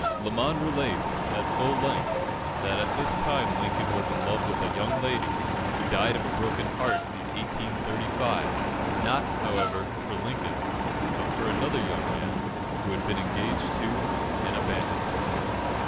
Lamon relates, at full length, that at this time Lincoln was in love with a young lady, who died of a broken heart in 1835, not, however, for Lincoln, but for another young man who had been engaged to, and abandoned her.